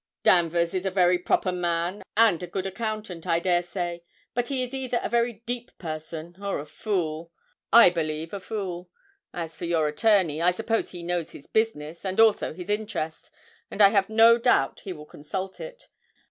'Danvers is a very proper man and a good accountant, I dare say; but he is either a very deep person, or a fool I believe a fool. As for your attorney, I suppose he knows his business, and also his interest, and I have no doubt he will consult it.